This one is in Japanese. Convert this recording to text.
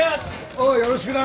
おうよろしくな！